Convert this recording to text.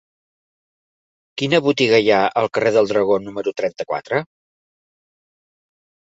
Quina botiga hi ha al carrer del Dragó número trenta-quatre?